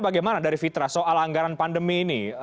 bagaimana dari fitra soal anggaran pandemi ini